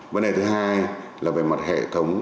vấn đề thứ hai là về mặt hệ thống